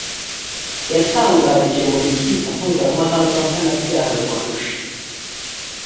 yatangarije mu rukiko mpuzamahanga mpanabyaha rw arusha